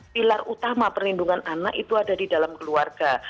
pilar utama perlindungan anak itu ada di dalam keluarga